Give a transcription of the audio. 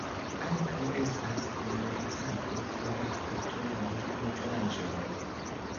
Ankaŭ estas komercado per naturaj nutraĵoj.